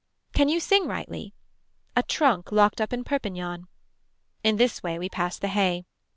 Can you sing rightly. A trunk locked up in Perpignan. In this way we pass the hay.